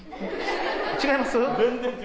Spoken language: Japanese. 違います？